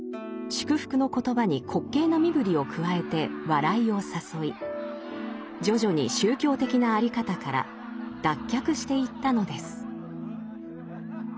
祝福の言葉に滑稽な身ぶりを加えて「笑い」を誘い徐々に宗教的な在り方から脱却していったのです。